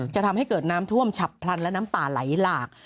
จะทำให้เกิดน้ำท่วมฉับพลันและน้ำป่าไหลหลาก